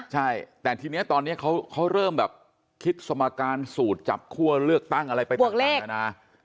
ใช่แต่ทีนี้ตอนนี้เขาเริ่มแบบคิดสมการสูตรจับคั่วเลือกตั้งอะไรไปหมดแล้วนะ